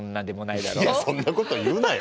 いやそんなこと言うなよ。